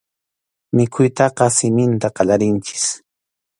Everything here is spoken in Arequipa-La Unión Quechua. Mikhuytaqa siminta qallarinchik.